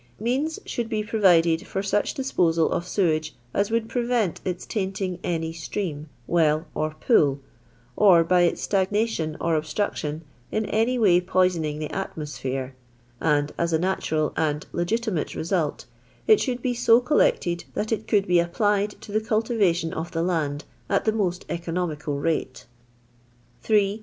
Means should be provided for such disposal of sewage as would prevent its tainting any stream, wdl, or pool, or, by its stagnation or obstruction, in any way poisoning the atmosphere. And, as a natural and legitimate result, it should be so eoUicUd thai it could It applitd to Ike cuU* ration ^ th€ Imd at tha matl •eonwniaa nle. 412 LONDON LABOUR AND THE LONDON POOR. 3.